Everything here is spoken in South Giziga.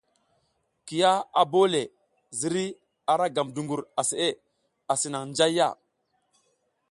Kiya a bole le ziriy a ra gam dungur a seʼe asi nang njayya.